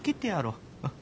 うん。